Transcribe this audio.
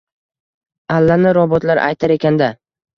Allani robotlar aytar ekan-da!